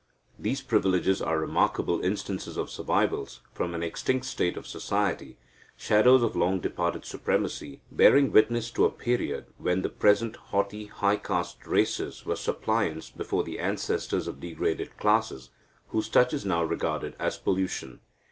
These privileges are remarkable instances of survivals from an extinct state of society shadows of long departed supremacy, bearing witness to a period when the present haughty high caste races were suppliants before the ancestors of degraded classes, whose touch is now regarded as pollution.